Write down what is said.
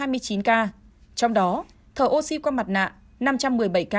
trong đó thở oxy qua mặt nạ năm trăm một mươi bảy ca